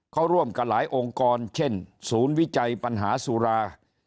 เขาร่วมกับหลายองค์กรเช่นศูนย์วิจัยปัญหาสุรา